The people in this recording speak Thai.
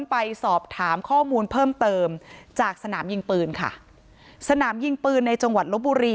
ไปสอบถามข้อมูลเพิ่มเติมจากสนามยิงปืนค่ะสนามยิงปืนในจังหวัดลบบุรี